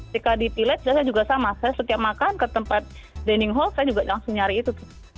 jika di pilet saya juga sama saya setiap makan ke tempat dining hall saya juga langsung nyari itu